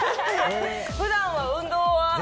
ふだんは運動は？